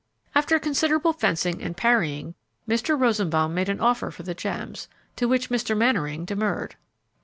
After considerable fencing and parrying, Mr. Rosenbaum made an offer for the gems, to which Mr. Mannering demurred.